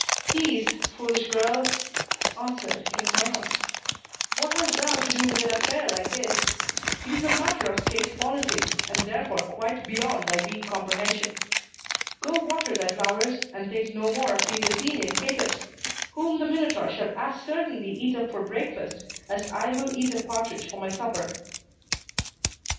"Peace, foolish girl!" answered King Minos. "What hast thou to do with an affair like this? It is a matter of state policy, and therefore quite beyond thy weak comprehension. Go water thy flowers, and think no more of these Athenian caitiffs, whom the Minotaur shall as certainly eat up for breakfast as I will eat a partridge for my supper."